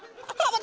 私